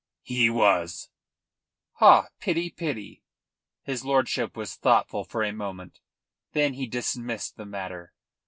"He was." "Ha! Pity! Pity!" His lordship was thoughtful for a moment. Then he dismissed the matter.